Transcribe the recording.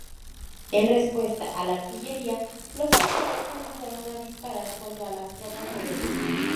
En respuesta a la artillería, los arqueros comenzaron a disparar contra las tropas rebeldes.